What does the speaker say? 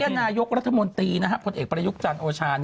นายกรัฐมนตรีพลเอกประยุทธ์จันทร์โอชา